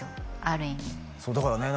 ある意味そうだからね